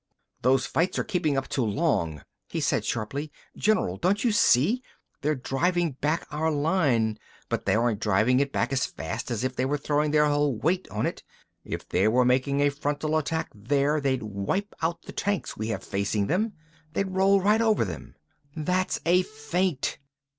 "Those fights are keeping up too long!" he said sharply. "General, don't you see, they're driving back our line, but they aren't driving it back as fast as if they were throwing their whole weight on it! If they were making a frontal attack there, they'd wipe out the tanks we have facing them; they'd roll right over them! That's a feint!